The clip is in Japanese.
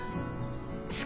好き？